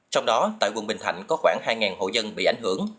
trong đó tại quận bình thạnh có khoảng hai hộ dân bị ảnh hưởng